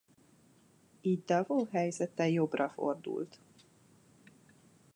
Így Davout helyzete jobbra fordult.